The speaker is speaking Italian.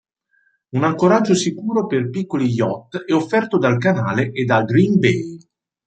Un ancoraggio sicuro per piccoli yacht è offerto dal canale e da "Green Bay".